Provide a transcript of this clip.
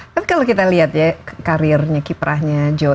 tapi kalau kita lihat ya karirnya kiprahnya joe